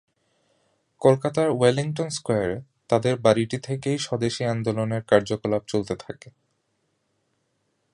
কলকাতার ওয়েলিংটন স্কোয়ারে তাদের বাড়িটি থেকেই স্বদেশী আন্দোলনের কার্যকলাপ চলতে থাকে।